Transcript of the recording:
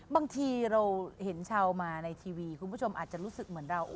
บางทีเราเห็นชาวมาในทีวีคุณผู้ชมอาจจะรู้สึกเหมือนเรา